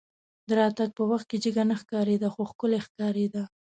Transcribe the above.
د راتګ په وخت کې جګه نه ښکارېده خو ښکلې ښکارېده.